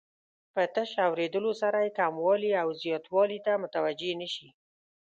په تش اوریدلو سره یې کموالي او زیاتوالي ته متوجه نه شي.